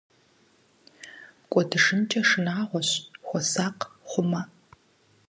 КӀуэдыжынкӀэ шынагъуэщ, хуэсакъ, хъумэ!